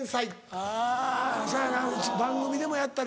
あぁそやな番組でもやったりしてるし。